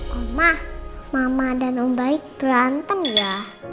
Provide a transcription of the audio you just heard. mama dan om baik berantem ya